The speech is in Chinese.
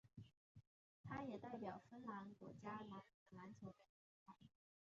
他也代表芬兰国家男子篮球队参赛。